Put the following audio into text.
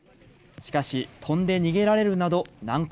しかし、飛んで逃げられるなど難航。